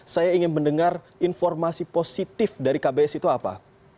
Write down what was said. saya ingin mendengar informasi positif dari kbs itu apa